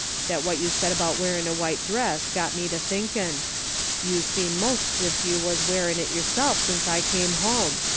That what you said about wearin' a white dress got me to thinkin'. You seem most's if you Avas Avearin' it yourself since I come home.